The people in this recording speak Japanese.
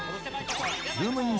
ズームイン！！